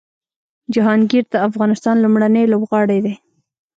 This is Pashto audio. جهانګیر د افغانستان لومړنی لوبغاړی دی